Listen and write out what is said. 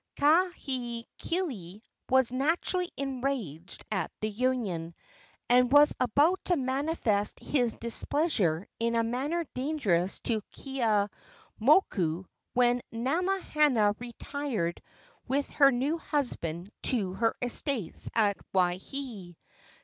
Kahekili was naturally enraged at the union, and was about to manifest his displeasure in a manner dangerous to Keeaumoku, when Namahana retired with her new husband to her estates at Waihee.